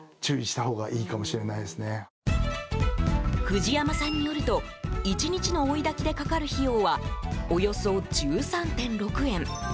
藤山さんによると１日の追いだきでかかる費用はおよそ１３．６円。